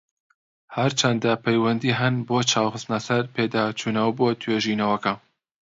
هەرچەندە، پەیوەندی هەن بۆ چاو خستنە سەر پێداچونەوە بۆ توێژینەوەکە.